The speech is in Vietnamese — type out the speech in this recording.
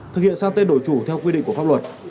thực hiện sang tên đổi chủ theo quy định của pháp luật